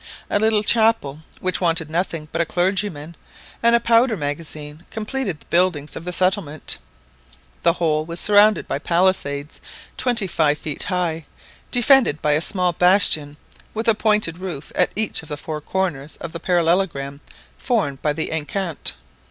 A little chapel, which wanted nothing but a clergyman, and a powder magazine, completed the buildings of the settlement. The whole was surrounded by palisades twenty five feet high, defended by a small bastion with a pointed roof at each of the four corners of the parallelogram formed by the enceinte.